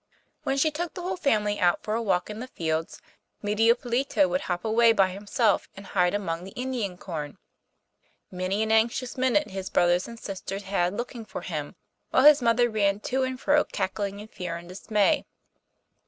When she took the whole family out for a walk in the fields, Medio Pollito would hop away by himself, and hide among the Indian corn. Many an anxious minute his brothers and sisters had looking for him, while his mother ran to and fro cackling in fear and dismay.